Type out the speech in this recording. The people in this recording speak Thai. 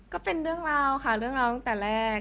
ก็เป็นเรื่องราวค่ะเรื่องราวตั้งแต่แรก